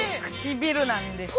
唇なんですよ。